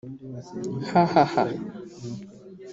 hahahhh"